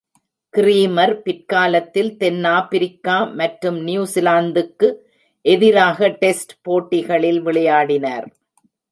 Kremer பிற்காலத்தில் தென்னாப்பிரிக்கா மற்றும் நியூசிலாந்துக்கு எதிராக டெஸ்ட் போட்டிகளில் விளையாடினார்